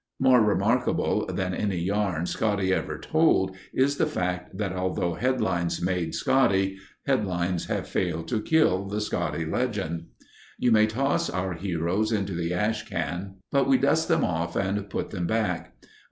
More remarkable than any yarn Scotty ever told is the fact that although headlines made Scotty, headlines have failed to kill the Scotty legend. You may toss our heroes into the ash can, but we dust them off and put them back.